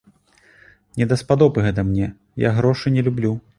Не даспадобы гэта мне, я грошы не люблю.